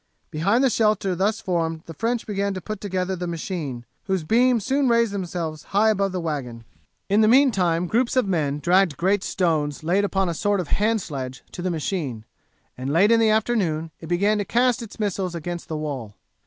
Behind the shelter thus formed the French began to put together the machine, whose beams soon raised themselves high above the wagon. In the meantime groups of men dragged great stones laid upon a sort of hand sledge to the machine, and late in the afternoon it began to cast its missiles against the wall.